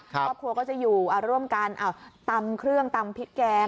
ครอบครัวก็จะอยู่ร่วมกันตำเครื่องตำพริกแกง